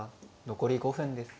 残り５分です。